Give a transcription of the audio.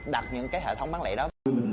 đặt những cái hệ thống bán lệ đó